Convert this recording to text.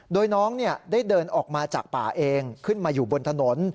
โดยน้องได้เดินออกมาจากป่าเองขึ้นมาอยู่บนถนน